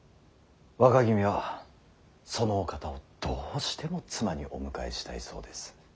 若君はそのお方をどうしても妻にお迎えしたいそうです。